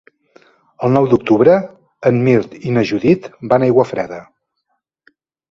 El nou d'octubre en Mirt i na Judit van a Aiguafreda.